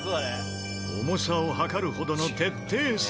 重さを量るほどの徹底査定！